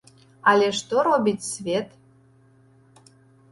Але што робіць свет?